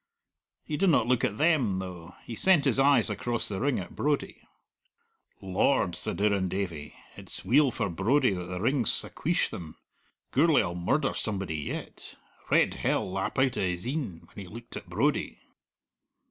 He did not look at them, though. He sent his eyes across the ring at Brodie. "Lord!" said Irrendavie, "it's weel for Brodie that the ring's acqueesh them! Gourlay'll murder somebody yet. Red hell lap out o' his e'en when he looked at Brodie."